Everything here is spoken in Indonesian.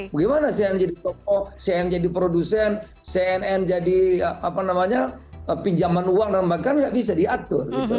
bagaimana cnn jadi toko cnn jadi produsen cnn jadi pinjaman uang dan bahkan nggak bisa diatur